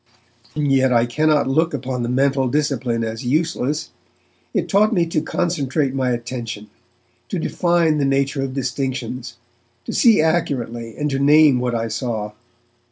Yet I cannot look upon the mental discipline as useless. It taught me to concentrate my attention, to define the nature of distinctions, to see accurately, and to name what I saw.